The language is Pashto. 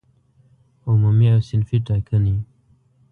عمومي او صنفي ټاکنې